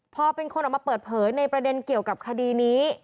พอเป็นคนออกมาเปิดเผยในประเด็นเกี่ยวกับคดีนี้